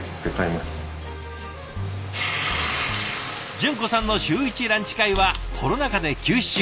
純子さんの週１ランチ会はコロナ禍で休止中。